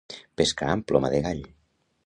Pescar amb ploma de gall.